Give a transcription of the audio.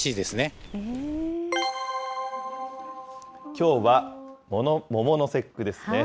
きょうは桃の節句ですね。